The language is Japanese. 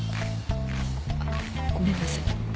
あっごめんなさい。